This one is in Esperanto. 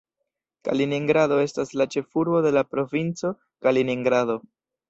Kaliningrado estas la ĉefurbo de la provinco Kaliningrado.